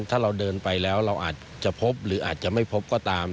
ถ้าเราเดินไปแล้วเราอาจจะพบหรืออาจจะไม่พบก็ตาม